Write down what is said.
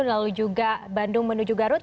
lalu juga bandung menuju garut